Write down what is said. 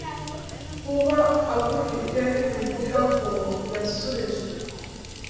kuba agufite ntibivuga ko yasubijwe